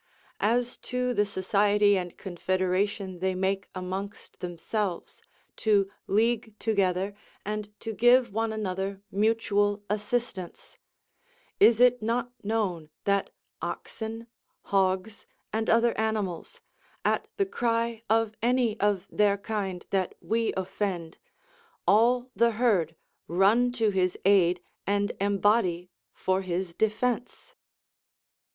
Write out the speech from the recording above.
As to the society and confederation they make amongst themselves, to league together and to give one another mutual assistance, is it not known that oxen, hogs, and other animals, at the cry of any of their kind that we offend, all the herd run to his aid and embody for his defence?